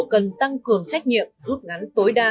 cần tăng cường trách nhiệm rút ngắn tối đa